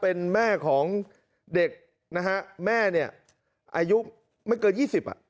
เป็นแม่ของเด็กนะฮะแม่เนี่ยอายุไม่เกินยี่สิบอ่ะ